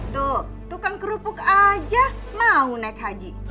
tuh tukang kerupuk aja mau naik haji